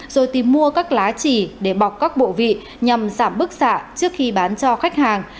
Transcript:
rồi tìm mua các lá chỉ để bọc các bộ vị nhằm giảm bức xạ trước khi bán cho khách hàng